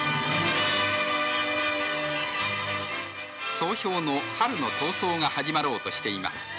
総評の春の闘争が始まろうとしています。